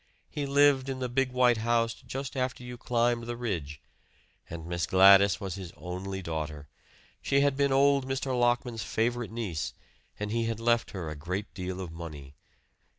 He lived in the big white house just after you climbed the ridge; and Miss Gladys was his only daughter. She had been old Mr. Lockman's favorite niece, and he had left her a great deal of money.